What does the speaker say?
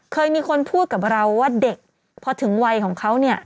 เคยมีคนพูดกับเราว่าเด็กพอถึงวัยของเขาเนี่ย